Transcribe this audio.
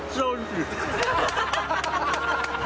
ハハハ